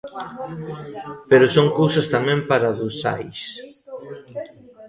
Pero son cousas tamén paradoxais.